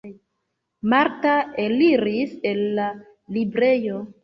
Marta eliris el la librejo.